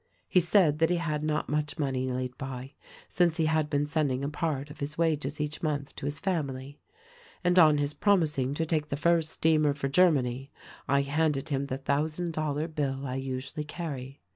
He said that he had not much money laid by, since he had been sending a part of his wages each month to his family ; and on his promising to take the first steamer for Germany I handed him the thou sand dollar bill I usually carry.